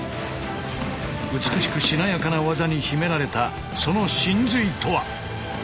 美しくしなやかな技に秘められたその神髄とは？